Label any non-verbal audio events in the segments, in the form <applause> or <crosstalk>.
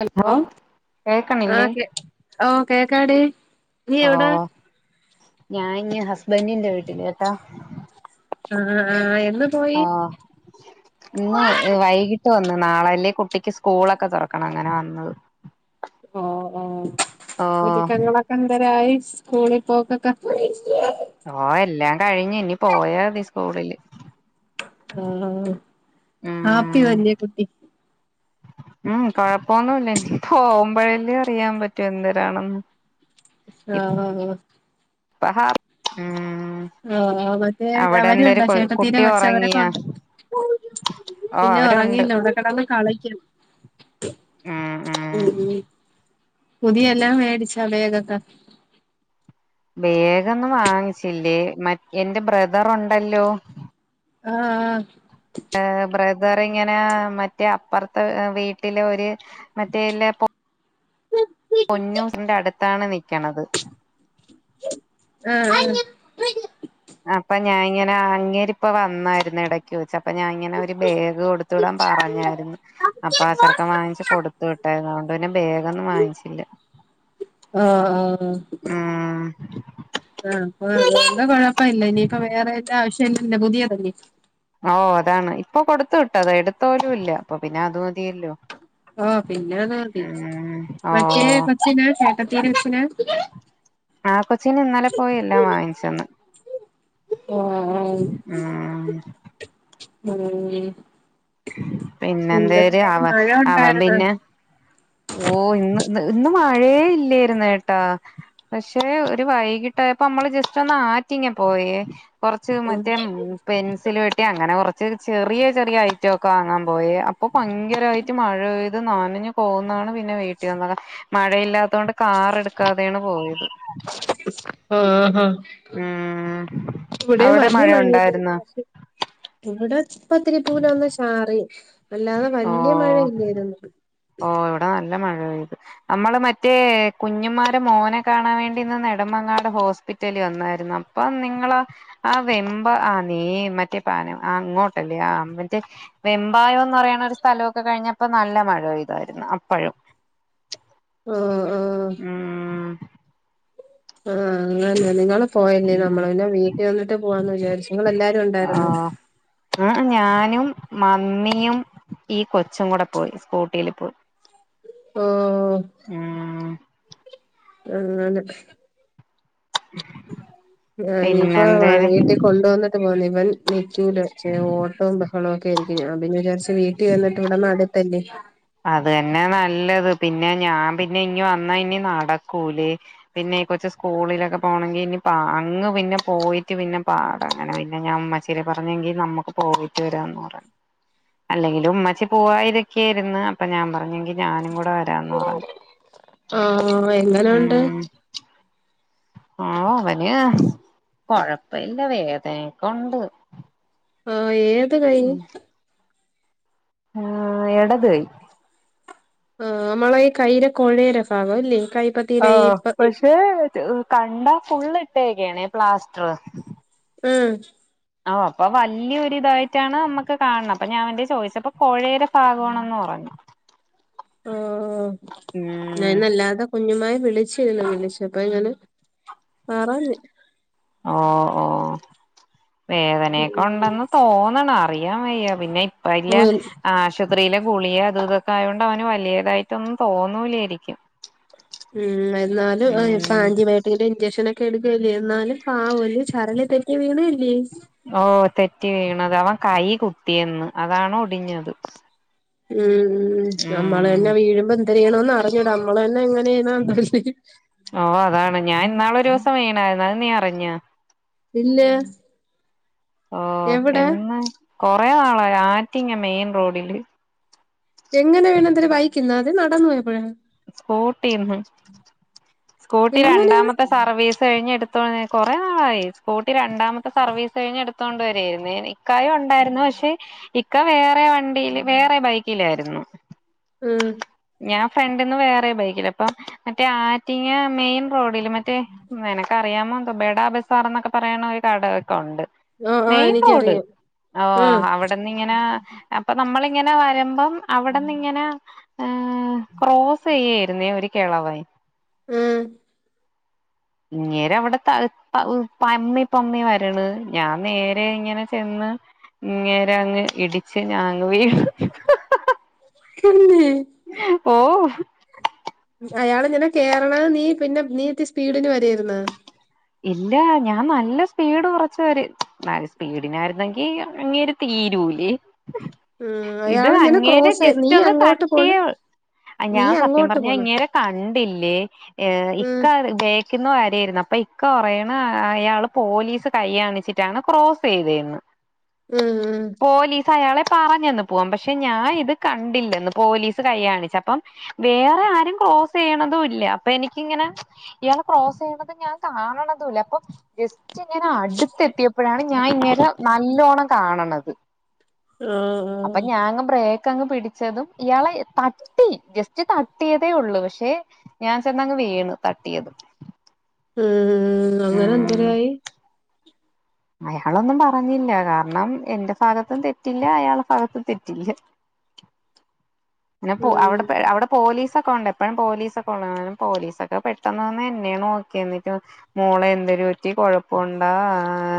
Hello കേക്കണില്ലേ ആഹ്‌ ഓഹ്‌ കേക്കാടെ ഓ ഞൻ ഹസ്ബൻറിന്റെ വീട്ടില്ലാട്ടോ ആഹ്‌ ആഹ്‌ എന് ആഹ്‌ ഇന്ന് വൈകിട്ട് വന്നന്ന് നാളെല്ലേ കുട്ടിക്ക് സ്കൂളൊക്കെ തുറക്കണം അങ്ങനെ വന്നത് ഓഹ്‌ ഓഹ്‌ ഓ ഒരുക്കങ്ങളൊക്കെ എന്തരയി സ്കൂളിൽ പോക്കൊക്കെ ഓ എല്ലാം കഴിഞ്ഞ ഇനി പോയതി സ്കൂളില് ആഹ്‌ ആപ്പി ഉം വിയ കുട്ടി ഉം കൊഴപ്പൊന്നുമല്ല ഇനി പോ വുമ്പോഴേല്ലേ അറിയാൻ പറ്റൂ എന്രാണെന്ന് ആഹ്ഹ് പഹാ ഉം ഓ മറ്റേ അവിടെ എന്തര് അവരണ്ട് ചേട്ടത്തീൻറ കുട്ടി കൊച്ച് അവരൊക്കെ ഉറങ്ങിയാ ഉണ്ട് ഓ പിന്നെ അവരുണ്ട് ഉറങ്ങീല ഉറ ടന്ന് കളിക്കാം ഉം ഉം പുതിയെല്ലാം മേടിച്ചാ ബോഗക്കെ വേഗൊന്നും വാങ്ങിച്ചില്ലേ മ എന്റെ ബ്രദറുണ്ടല്ലോ ആഹ് ആഹ് ബ്രദറി ഇങ്ങനെ മറ്റേ അപ്പുറത്തെ വീട്ടിലെ ഒര് മറ്റേല്ലൊ പൊന്നു ന്റ അടുത്താണ് നക്കണത്. ആഹ് അപ്പൊ ഞാന് ഇങ്ങനെ അങ്ങേരിപ്പ വന്നായിരുന്നു. ഇടക്ക് വെച്ച് അപ്പൊ ഞാൻ ഇങ്ങനെ ഒരു ബേഗ് കൊടുത്ത്. ത്ത് വിടൻ പറഞ്ഞായിരുന്നു. അപ്പൊ ആ ചെറുക്കം വാങ്ങിച്ചച്ച് കൊടുത്തു വിട്ടായിരുന്നു അതൊണ്ട് പിന്നെ വേഗംന്നും വാങ്ങിച്ചില്ല ആഹ് ആഹ് ഉം ആഹ് അല്ല കൊഴപ്പ ഇല്ല ഇനിയിപ്പ വേറെന്റെ ആവശ്യംന്ന ഇല്ല പുതിയത്അലോ ഓ അതാണ് ഇപ്പൊ കൊടുത്ത് വിട്ട അത എടുത്ത് പോലും ഇല്ല അപ്പൊ പിന്നെ അത് മതിയല്ലോ ഓ പിന്നെഅത് മതി ഉം ഓ മറ്റേ കൊച്ചിന് ചേട്ടത്തി കൊച്ചിന് ആ കൊച്ചീന് ഇന്നാലെ പോയി എല്ലാം വാങ്ങിച്ചന്ന്. ആഹ് ഉം ഉം പിന്നെ എന്തോര് പിന്നെന്തേലും അവ മഴ അവൻ ഉണ്ടായിരുന്നോ പിന്നെ ഓ ഇന്ന് ഇന്ന് മഴയ ഇല്ലായിരുന്നേട്ടാ? പക്ഷെ ഒരു വൈകിട്ടപ്പോ നമ്മള് ജസ്റ്റ് ഒന്ന് ആറ്റിങ്ങ പോയേ കൊറച്ച് മറ്റേ പെൻസില് പോട്ടി അങ്ങനെ കുറച്ച് ചെറിയ ചെറിയ ഐറ്റം ഒക്കെ വാങ്ങാൻ പോയി അപ്പൊ ഭയങ്കരമായിട്ട് പറ്റ് മഴ പെയ്ത് നാന പോകുന്നണ് പിന്നെ വിട്ടിൽ വന്നത് മഴയില്ലാത്ത കൊണ്ട് കാർ എടുക്കാതെയാണ് പോയത് ആഹ് ആഹ് ഉം ഇവിടെ അവിടെ മല്യ മഴ ഇല്ല ഉണ്ടായിരുന്നോ ണില്ലേ ഇവിടെ പത്തിരിപ്പൂല ഒന്ന് ചാറി അല്ലാതെ വലിയ ഓ മഴ ഇല്ലായിരുന്നു ഓ ഇവിടെ നല്ല മഴയത് നമ്മള് മറ്റേ കുഞ്ഞിമാരെ മോനെ കാണാൻ വേണ്ടിന്ന് നെടുമങ്ങാട് ഹോസ്പിറ്റൽ റ്റലി ഒന്നായിരുന്നു അപ്പൊ നിങ്ങള് ആ വെമ്പ ആ നീ മറ്റേ പാനും ആ അങ്ങോട്ടല്ലേ ആ മറ്റേ വെമ്പായംന്ന് പറയ്ണ ഒരു സ്ഥലമൊക്കെ കഴിഞ്ഞപ്പോ നല്ല മഴ പ്തായിരുന്നു അപ്പഴും ആഹ് ആഹ് ഉം ആഹ് അങ്ങനെ നിങ്ങള പോയല്ലേ നമ്മള് പിന്നെ വീട്ടിൽ വന്നിട്ട് പോവാന്ന് വിചാരിച്ചു എല്ലാരും ഉണ്ടായിരുന്നു ആ ഞാനും മമ്മിയും ഈ കൊച്ചും കൂടെ പോയി സ്കൂട്ടിൽ പോയി ഹോഹ് ഉം അങ്ങനെ ഉ ആ ഇനിയിപ്പോ വീട്ടിൽ കൊണ്ടുവന്നിട്ട് പോന്ന ഇവൻ നിൽക്കൂല ഓട്ടോ ബഹളൊ ക്കെ ആയിരിക്കും ഞാൻ പിനെ വിചാരിച്ച് വീട്ടിൽ വന്നിട്ട് ഇവടന്ന് അടുത്തല്ലേ അത് തന്നെ നല്ലത്. പിന്നെ ഞാൻ പിന്നെ ഇഞി വന്നാ ഇനി നട സ്കൂല് പിന്നെ കൊച്ച് സ്കൂളിലൊക്കെ പോണെങ്കിൽ ഇനി അങ്ങ് പിന്നെ പോയിട്ട് പിന്നെ പാ അങ്ങനെ പിന്നെ ഞാ ഇമ്മ്ച്ചി പറഞ്ഞെങ്കി നമുക്ക് പോയിട്ട് വരാന്ന് പറ അല്ലെങ്കിലും ഉമ്മച്ചി പോവാൻ ഇരെക്കെയായിരുന്നു അപ്പൊ ഞാൻ പറഞ്ഞെങ്കി ഞാനും കൂടെ വരാന്ന് പറഞ്ഞു ആഹ് എങ്ങനുണ്ട് ഉം ആ അവന് കൊഴപ്പില്ല വേദനക്കെ ഉണ്ട് ആഹ് ഏത് കൈ ആഹ് ഇടത് കൈ ആഹ് നമ്മളെ ഈ കൈയ്യിലെ കൊഴേര ഭാകോ അല്ലേ കൈപ്പ ആ പക്ഷേ കണ്ടാ ഫുള്ള് ഇട്ടേക്കണേ പ്ലാസ്റ്റർ ഉം ഓ അപ്പൊ വലിയൊരി ഇതായിട്ടാണ് നമ്മുക്ക് കാണണേ അപ്പൊ ഞാൻ എന്റെ ചോയ്ച്ചപ്പേ കോഴേ പാകമാണെന്ന് എന്ന് പറഞ്ഞു ആഹ് ഉം ഞാനല്ലാതെ കുഞ്ഞുമായെ വിളിച്ചിരുന്നു വിളിച്ചപ്പൊ ഇങ്ങനെ പറഞ്ഞു ഓ ഓ വേദനയൊക്കെ ഉണ്ടെന്ന് തോന്നണ അറിയൻ വയ്യ പിന്നെ ഇപ്പ അല്ല ഉം ആശുപത്രിയിലെ ഗുളിയ അത് ഇതൊക്കെ ആയതോണ്ട് അവന് വലിയതായിട്ടൊന്നും തോന്നൂലായിരിക്കും ഉം എന്നാലും അവനിക്ക് ഉം ആന്റിബയോ <unintelligible> ഇഞ്ചക്ഷൻ ഒക്കെ എടുക്കല്ലേ എന്നാലും പാവല്ലെ ചരളി തെറ്റി വീണല്ലേ ഓഹ് തെറ്റ് വീണത് അവൻ കൈ കുത്തിയെന്ന് അതാണ് ഒടിഞ്ഞത് ഉം ഉം നമ്മള് ഉം തന്നെ വീഴുമമ്പ്പോ എന്തേര് ചെയ്യണന്ന് അറിഞ്ഞൂടാ നമ്മള് തന്നെ എങ്ങനെ <unintelligible> ഓ അതാണ് ഞാൻ ഇന്നാള് ഒരു ദിവസം വീണായിരുന്നു അത് നീ അറിഞ്ഞേ ഇല്ല ഓഹ് എവിടെ എന്ന് കൊറെ നാളായി ആറ്റിങ്ങെ മെയിൻ റോഡില് എങ്ങനെ വീണെന്തും ബൈയിക്കുന്നേ അത് നടന്നു പോയപ്പോഴേ സ്കൂട്ടിന്ന് ഉ <unintelligible> സ്കൂട്ടി രണ്ടാമത്തെ സർവീസ് കഴിഞ്ഞ് എടുത്ത് കുറെേ നാളായി സ്കൂട്ടി രണ്ടാമത്തെ സർവീസ് കഴിഞ്ഞ് എടുത്തോണ്ട് വരായിരുന്നേ ഇക്കായും ഉണ്ടായിരുന്നു പക്ഷെ ഇക്ക വേറെ വണ്ടിയില് വേറെ ബൈക്കിലായിരുന്നു ഉം ഞാൻ ഫ്രണ്ടിന്ന് വേറെ ബൈക്കിൽ അപ്പം മറ്റേ ആറ്റിങ്ങ മെയിൻ റോഡില് മറ്റേ നിനക്കറിയാമോ ദുബയുടെ ബടാബസാർ എന്നൊക്കെ പറയുണ ഒരു കടകൊക്കെ ഉണ്ട് ആഹ് ആഹ് മെയിൻ റോഡ് എനിക്കറിയാം ഓ ആഹ് അവിടെ നിങ്ങനെ അപ്പൊ നമ്മളിങ്ങനെ വരുമ്പം അവിടെന്ന് ഇങ്ങനെ ഏഹ് ക്രോസ് ചെയ്യായിരുന്നേ ഒരു കിളവൻ ഉം ഇങ്ങേര് അവിടെ ത പമ്മി പമ്മി വരണ് ഞാൻ നേരെ ഇങ്ങനെ ചെന്ന് ഇങ്ങേര അങ്ങ് ഇടിച്ച് ഞാനങ്ങ് വിണു തന്നെ ഓഹ് അയാള ഇങ്ങനെ കേറ്ണ് നീ പിന്നെ നീത്തി സ്പീഡില് വരായിരുന്നേ ഇല്ല ഞാൻ നല്ല സ്പീഡ് കുറച്ച് വര നല്ല സ്പീഡിനായിരുന്നെങ്കി അങ്ങേര് തീരൂലി <inaudible> ഉ അയാള് ഇങ്ങനെ ക്രോസ് നീ ജസ്റ്റ് ഒന്ന് അങ്ങോട്ട് പോണ് തട്ടിയേ നീ ഞാൻ സത്യം അങ്ങോട്ട് പറഞ്ഞ പോണ് ഇങ്ങേരെ കണ്ടില്ലേ ഉം ഇക്ക ബെക്ക്ന്ന് വരായിരുന്നു അപ്പൊ ഇക്ക പറയണ് അയാള് പോലീസ് കൈയാണിച്ചിട്ടാണ് ക്രോസ് ചെയ്തെന്ന് ഉം ഉം പോലീസ് അയാളെ പറഞ്ഞന്ന് പോവാം പക്ഷെ ഞാൻ ഇത് കണ്ടില്ലന്ന് പോലീസ് കൈയാണിച്ചപ്പം വേറെ ആരും ക്രോസ് ചെയ്യണതും ഇല്ല അപ്പൊ എനിക്കിങ്ങനെ ഇയാൾ ക്രോസ് ചെയ്യണത് ഞാൻ കാണണതുല്ല അപ്പം ജസ്റ്റ് ഇങ്ങനെ അടുത്തെത്തിയപ്പോഴാണ് ഞാൻ ഇങ്ങരേ നല്ലോണ്ണം കാണണത് ആഹ് അപ്പൊ ആഹ് ഞാൻ അങ്ങ് ങ്ങ് പിടിച്ചതും ഇയാളെ തട്ടി ജസ്റ്റ് തട്ടിയതേ ഉള്ളൂ പക്ഷെ ഞാൻ ചെന്നങ്ങ് വീണു തട്ടിയതും ഉം ഉ അങ്ങനെ ഉം എന്തരായി അയാളൊന്നും പറഞ്ഞില്ല കാരണം എന്റെ ഭാഗത്തും തെറ്റില്ല അയാള ഭാഗത്തും തെറ്റില്ല പിന്നെപ്പോ ഉം അവിടെ അവിടെ പോലീസൊക്കെയുണ്ട് എപ്പോഴും പോലീസൊക്കെയൊള്ളായാണ് അന്നേരം പോലീസൊക്കെ പെട്ടെന്ന്ന് എന്നെയാണ് നോക്കി എന്നിട്ട് മോള എന്തേലും പറ്റി കൊഴപ്പുണ്ടോ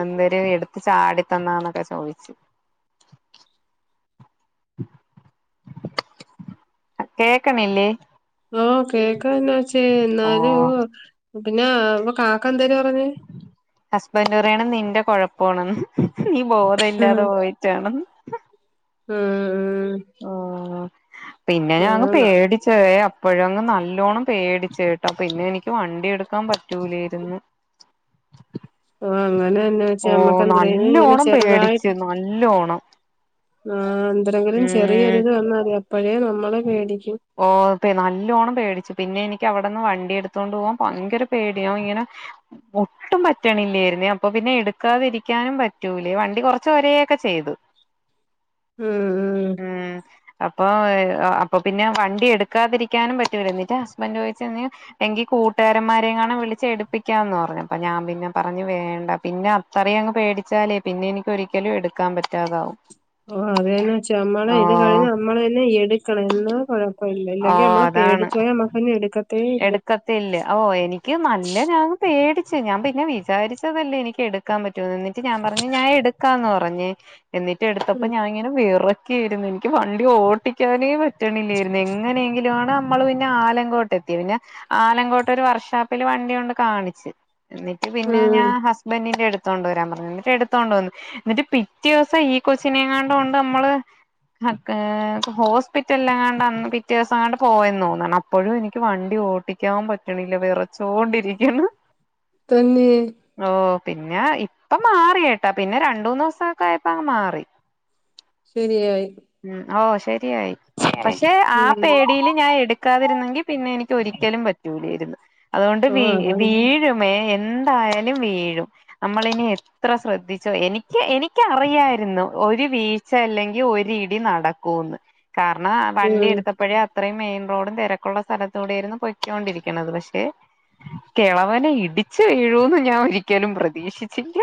എന്തരുും എടുത്ത് ചാടി തന്നാന്നൊക്കെ ചോദിച്ചു <unintelligible> കേക്കണില്ലേ ഓ കേക്കാ എന്നാച്ചേ ഓ എന്നാലും പിന്നെ ഇപ്പ കാക്ക എന്തര് പറഞ്ഞ് ഹസ്ബൻറ് പറയാണ് നിന്റെ കൊഴപ്പാണെന്ന് നീ ബോധം ഇല്ലാതെ പോയിട്ടാണെന്ന് ഉം ഉം ഓ... പിന്നെ ഞാനങ്ങ് ഉം പേടി ഛേ അപ്പോഴങ്ങ് നല്ലോണം പേടിച്ചു കേട്ടാ പിന്നെ എനിക്ക് വണ്ടി എടുക്കാൻ പറ്റ.. ൂലായിരുന്നു <inaudible> ഓ അങ്ങനെന്നാന്നുവെച്ചാ ഓ നമ്മക്കന്ത്രയ്നും ഇങ്ങനെ നല്ലോണം പേടിച്ച് ചെറുതായിട്ട് നല്ലോണം ആ എന്തെരെങ്കിലും ഉം ചെറിയൊരിത് വന്നാ മതി അപ്പോഴേ നമ്മള് പേടിക്കും ഓ നല്ലോണ്ണം പേടിച്ചു പിന്നെ എനിക്ക് അവിടെന്ന് വണ്ടി എടുത്തോണ്ട് പോവാൻ പങ്കര പേടിയാ ഞാൻ ഇങ്ങനെ ഒട്ടും പറ്റണില്ലായിരുന്നേ അപ്പൊ പിന്നെ എടുക്കാതിരിക്കാനും പറ്റൂലേ വണ്ടി കുറച്ച് കൊറച്ചു വരികൊക്കെ ചെയ്തു ഉം ഉം അപ്പൊ. അപ്പൊ പിന്നെ വണ്ടി എടുക്കാതിരിക്കാനും പറ്റൂല എന്നിട്ട് ഹസ്ബന്റ് ചോദിച് നീ എങ്കി കൂട്ടുകാരന്മാരെ എങ്ങാനം വിളിച്ച് എടുപ്പിക്കാന്ന് പറഞ്ഞു. അപ്പൊ ഞാൻ പിന്നെ പറഞ്ഞു വേണ്ട. പിന്നെ അറി അങ്ങ് പേടിച്ചാലേ പിന്നെ എനിക്ക് ഒരിക്കലും എടുക്കാൻ പറ്റാതാവും ഓ അത് തന്നെ ച്ചാ നമ്മള് ഓ ഇത് കഴിഞ്ഞ് നമ്മള് തന്നെ എടുക്കണം എന്നാ കൊഴ ല്ല ഓ ഇല്ലെങ്കി നമ്മള് അതാണ് പേടിച്ച് പോയാ നമ്മുക്ക് പിന്നെ എടുക്കത്തേയില്ല എടുക്കത്തില്ല ഓ എനിക്ക് നല്ല ഞാങ്ങു പേടിച്ചു ഞാൻ പിന്നെ വിചാരിച്ചതല്ല എനിക്ക് എടുക്ക എടുക്കാൻ പറ്റൂന്ന് എന്നിട്ട് ഞാൻ പറഞ്ഞു ഞാൻ എടുക്കാന്ന് പറഞ്ഞ് എന്നിട്ട് എടുത്തപ്പോ ഉം ഞാൻ ഇങ്ങനെ വിറക്കായിരുന്നു എനിക്ക് വണ്ടി ഓട്ടിക്കാനേ പറ്റണില്ലായിരുന്നു എങ്ങനെയെങ്കിലും ആ നമ്മള് പിന്നെ ആലങ്കോട്ടെത്തി പിന്നെ ആലങ്കോട്ടൊരു വർഷാപ്പില് വണ്ടി കൊണ്ട് കാണിച്ച് <unintelligible> പിന്നെ ഉം ഞാൻ ഹസ്ബന്റിന്റെ എടുത്തോണ്ട് വരാൻ പറഞ്ഞു എന്നിട്ട് എടുത്തോണ്ട് വന്നു എന്നിട്ട് പിറ്റേസം ഈ കൊച്ചിനെ എങ്ങാണ്ടൊണ്ട് നമ്മള് <unintelligible> ഹോസ് <inaudible> പിറ്റെല്ലാംങ്ങാണ്ട്ന്ന് പിറ്റേ സം എങ്ങാണ്ട് പോയെന്ന് തോന്നണ് അപ്പോഴും എനിക്ക് എനിക്ക് വണ്ടി ഓട്ടിക്കാൻ പറ്റണില്ല വിറച്ചോണ്ടിരിക്കണ് തന്നിയേ ഓ പിന്നെ ഇപ്പ മാറി കേട്ടാ പിന്നെ രണ്ട് മൂന്ന് ദിവസൊക്കെ ആയപ്പാ മാറി ശരിയായി ഓ ശരിയായി പക്ഷെ ആ ഉം പേടിയില് ഞാൻ എടുക്കാതിരുന്നെങ്കിൽ പിന്നെ എനിക്ക് ഒരിക്കലും പറ്റൂലീയിരുന്നു അതുകൊണ്ട് വീ ഓഹ് അതങ്ങനെ വീഴും <unintelligible> എന്തായാലും വീഴും നമ്മള് ഇനി എത്ര ശ്രദ്ധിച്ചാലും എനിക്ക് എനിക്കറിയായിരുന്നു ഒരു വീഴ്ച അല്ലെങ്കിൽ ഒ ഇടി നടക്കും പോന്ന് കാരണം വണ്ടി ഉം എടുത്തപ്പോഴേ അത്രയും മെയിൻ റോഡും തിരക്കുള്ള സ്ഥലത്ത കൂടൊയിരുന്നു പൊയ്ച്ചൊണ്ടിരിക്കണുന്നത് പക്ഷെ കിളവനെ ഇടിച്ചു വീഴൂന്ന് ഞാൻ ഒരിക്കലും പ്രതീക്ഷിച്ചില്ല.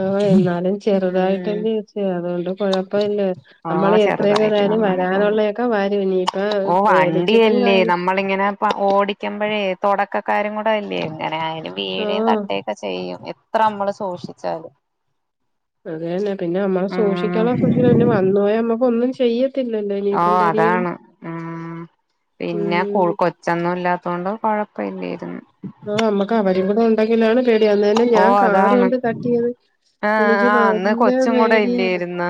ആഹ എന്നാലും ഉം ചെറുതായിട്ടല്ല ചച്ച അതുകൊണ്ട് കൊഴപ്പല്ലേ ഓ നമ്മള് ചെറുതായിട്ട് അത്രയക്കെഏതായാലും വണ്ണങ്ങ് പോക വരാനുള്ളൊക്കെ വരും ഇനിയിപ്പ പേടിച്ചിട്ടും കാര്യ ങ്ങളിങ്ങനെ ഓടിക്കുമ്പോഴേ തുടക്കക്കാരും കൂടെ അല്ലേ ഇങ്ങനെ പി വീടയും ആഹ് തട്ടയുംൊക്കെ ചെയ്യും എത്ര നമ്മള് സൂക്ഷിച്ചാല്. അത തന്നെ പിന്നെ നമ്മള് സൂക്ഷിക്കണംസൂക്ഷിക്ക പിന്നെ വന്നു പോയാൽ നമ്മക്ക് ണഒന്നും ചെയ്യല്ല ഓ അതാണ് ഉം പിന്നെ ഉം <unintelligible> <unintelligible> നമ്മുക്ക് അവരും കൂടെ ഉണ്ടെങ്കിലാണ് പേടിയാവുന്നേ ഓ ഞാൻ കാർ അതാണ് കൊണ്ട് തട്ടിയത്. ആ എനിക്ക് ആ അന്ന് നല്ല കൊച്ചും കൂടെ പേടിയാണ്. ഇല്ലായിരുന്നു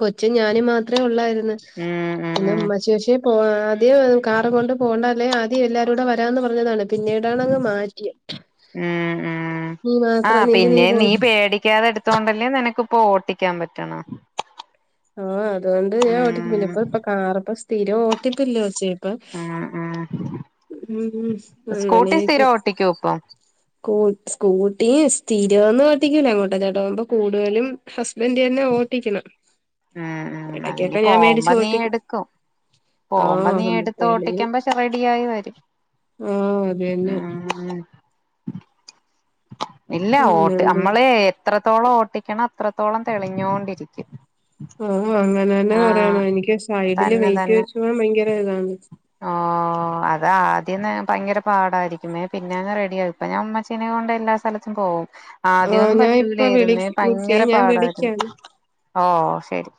കൊച്ചു ഞാനും മാത്രമേ ഉള്ളായിരുന്നു ഉം പിന്നെ ഉം ഉമ്മശേഷി പോ ആദ്യം കാർ കൊണ്ട് പോകണ്ട അല്ലേ ആദ്യം എല്ലാരൂടെ വരാന്ന് പറഞ്ഞതാണ്. പിന്നീടാണങ്ങ് മാറ്റിയെ. നീ മാത്രം ആഹ് നീങ്കി പിന്നെ നീ പോയിട്ട് പേടിക്കാതെ എടുത്തോണ്ടല്ലേ നിനക്കിപ്പോ ഓട്ടിക്കാൻ പാറ്റനേ. ആഹ് അതുകൊണ്ട് ഞാൻ ഉം ഓട്ടിക്കുംപിന്നെപ്പോ ഇപ്പൊ കാർ ഇപ്പൊ സ്ഥിരം ഒട്ടിപ്പല്ലെ കൊച്ചെ ഹ് സ്കൂട്ടി സ്ഥീരം ഒട്ടിക്കോ ഇപ്പം. <unintelligible> ഹസ്ബൻ്റ് തന്നെ ഓട്ടിക്കണം. ഉം ഉം അതിനി ഇടയ്ക്കൊക്കെ ഞാൻ പോവുമ്പോ മേടിച്ച് നീ ഓട്ടിക്കും എടുക്കും. ആ പോവുമ്പോ നീ എടുത്ത് ഹോമിത്തേലയും ഓട്ടിക്കുമ്പോ റെഡിയായി വരും. ആഹ് അതന്നെ. ഉം ഉം ഇല്ല ഓട്ട് പിന്നെന്ത് നമ്മള് എത്രത്തോളം ഓട്ടിക്കണം അത്രത്തോളം തെളിഞ്ഞോണ്ടിരിക്കും. ഓ അങ്ങനെ തന്നെ ആഹ് പറയണം എനിക്ക് സൈഡില് തന്നെ വെയിറ്റ് തന്നെ വെച്ച് പോകാൻ ഭയങ്കര ഇതാണ്. <inaudible> ഓ അതാ ആദ്യം ഭയങ്കര പാടായിരിക്കുമേ പിന്നെ അങ്ങ് റെഡിയാകും ഇപ്പൊ ഞാൻ ഉമ്മച്ചീനെ കൊണ്ട് എല്ലാ സ്ഥലത്തും പോവും ആ ആദ്യമൊന്നും ഞാൻ ഇപ്പ വിളി പറ്റില്ലായിരുന്നു നിക്കേ ഭയങ്കര ഞാൻ പാടായിരുന്നു. വിളിക്കാം ഓ ശരി